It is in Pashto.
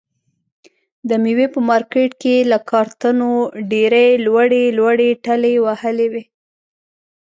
د مېوې په مارکېټ کې یې له کارتنو ډېرې لوړې لوړې ټلې وهلې وي.